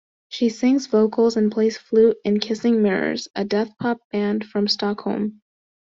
She sings vocals and plays flute in Kissing Mirrors, a death-pop band from Stockholm.